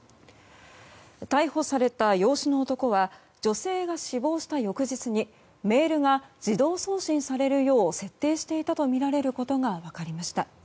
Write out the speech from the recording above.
逮捕された養子の男は女性が死亡した翌日にメールが自動送信されるよう設定していたとみられることが分かりました。